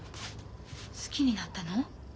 好きになったの？